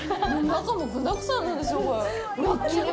中も具だくさんなんですよ、これ。